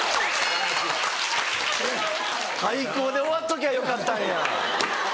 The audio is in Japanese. ハイコウで終わっときゃよかったんや！